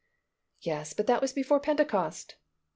" "Yes, but that was before Pentecost."